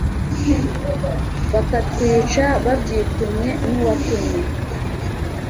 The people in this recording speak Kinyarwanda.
bakatwica babyitumye nuwatumye